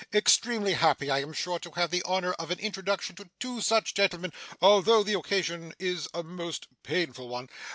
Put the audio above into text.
Extremely happy, I am sure, to have the honour of an introduction to two such gentlemen, although the occasion is a most painful one.